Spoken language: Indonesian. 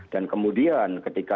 dan kemudian ketika